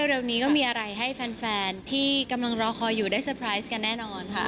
เร็วนี้ก็มีอะไรให้แฟนที่กำลังรอคอยอยู่ได้เตอร์ไพรส์กันแน่นอนค่ะ